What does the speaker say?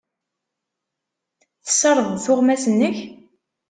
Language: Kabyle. Tessardeḍ tuɣmas-nnek?